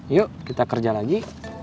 yuk kita kerja lagi